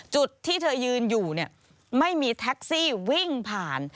จุดที่เธอยืนอยู่เนี่ยไม่มีแท็กซี่วิ่งผ่าน